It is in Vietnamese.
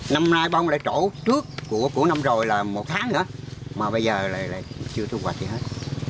năm nay bóng lại chỗ trước của năm rồi là một tháng nữa mà bây giờ lại chưa thu hoạch gì hết